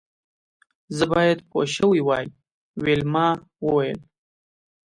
زه باید پوه شوې وای ویلما وویل